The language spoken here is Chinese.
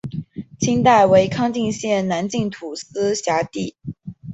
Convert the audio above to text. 清代为康定县南境土司辖地。